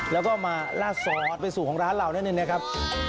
แล้วก็เอามาลาดซอสเป็นสูตรของร้านเหล่านั่นหนึ่งนะครับ